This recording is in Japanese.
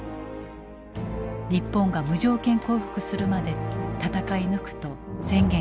日本が無条件降伏するまで戦い抜くと宣言した。